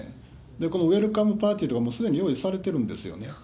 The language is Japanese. このウェルカムパーティーとか、すでに用意されてるんですよね。